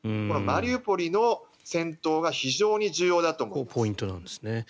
このマリウポリの戦闘が非常に重要だと思います。